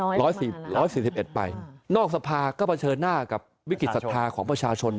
น้อยมากนะครับค่ะค่ะประชาชน๑๔๑ไปนอกสภาก็เผชิญหน้ากับวิกฤตศัฒน์ของประชาชน